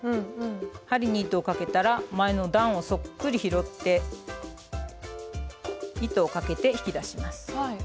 針に糸をかけたら前の段をそっくり拾って糸をかけて引き出します。